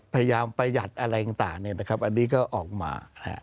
พยายามประหยัดอะไรต่างนี่นะครับอันนี้ก็ออกมา